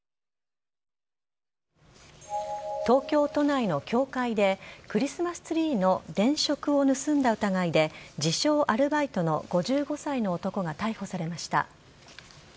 東京都内の教会で、クリスマスツリーの電飾を盗んだ疑いで、自称アルバイトの５５歳の男が逮捕されました。